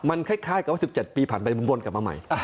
มันคล้ายกับว่า๑๗ปีผ่านไปวนกลับมาใหม่